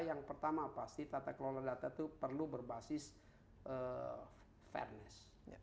yang pertama pasti tata kelola data itu perlu berbasis fairness